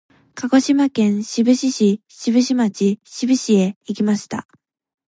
鹿児島県志布志市志布志町志布志へ行きました。